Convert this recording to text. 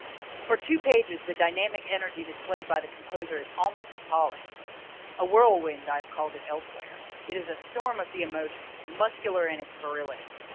For two pages the dynamic energy displayed by the composer is almost appalling. A whirlwind I have called it elsewhere. It is a storm of the emotions, muscular in its virility.